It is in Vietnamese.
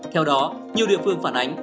theo đó nhiều địa phương phản ánh